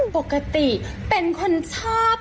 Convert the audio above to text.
ปกติเป็นคนชอบ